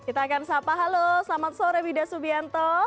kita akan sapa halo selamat sore wida subianto